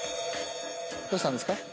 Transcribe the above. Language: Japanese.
どうしたんですか？